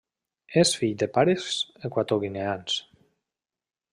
És fill de pares equatoguineans.